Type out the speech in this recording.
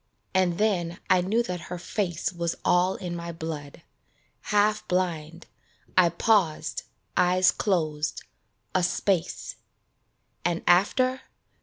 And then I knew that her face Was all in my blood ; half blind, I paused, eyes closed, a space And after